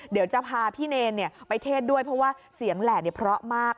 เดี๋ยวจะพาพี่เนรไปเทศด้วยเพราะว่าเสียงแหล่เพราะมาก